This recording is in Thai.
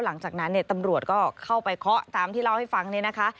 หลังจากนั้นเนี่ยตำรวจก็เข้าไปเคาะตามที่เล่าให้ฟังเนี่ยนะคะ